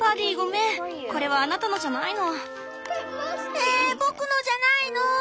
「ええ僕のじゃないのぉ？」。